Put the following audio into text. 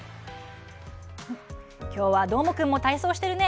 きょうはどーもくんも体操しているね。